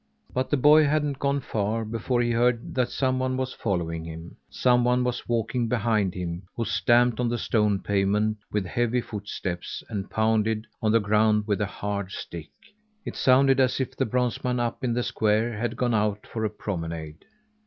But the boy hadn't gone far before he heard that someone was following him. Someone was walking behind him, who stamped on the stone pavement with heavy footsteps, and pounded on the ground with a hard stick. It sounded as if the bronze man up in the square had gone out for a promenade.